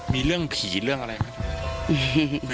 มีเรื่องผีเรื่องอะไรครับ